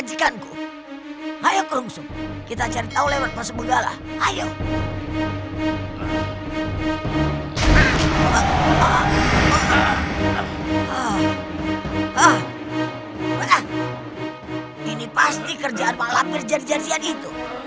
ini pasti kerjaan pak lampir jari jarian itu